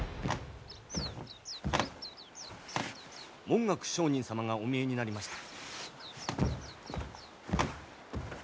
文覚上人様がお見えになりました。